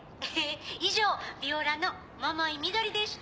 以上ヴィオラの桃井みどりでした。